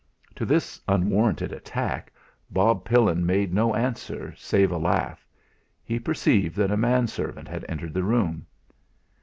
To this unwarranted attack Bob Pillin made no answer save a laugh; he perceived that a manservant had entered the room.